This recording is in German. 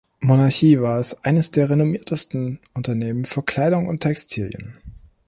Monarchie war es eines der renommiertesten Unternehmen für Kleidung und Textilien.